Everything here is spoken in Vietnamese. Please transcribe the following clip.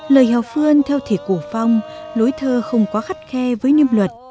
lời hào phơn theo thể cổ phong lối thơ không quá khắt khe với niêm luật